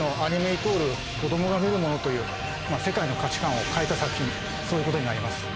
イコール子どもが見るものという、世界の価値観を変えた作品、そういうことになります。